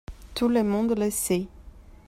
Tout le monde le sait.